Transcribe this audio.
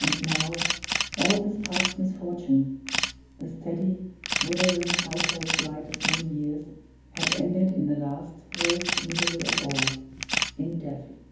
And now, all this past misfortune the steady, withering, household blight of many years had ended in the last, worst misery of all in death.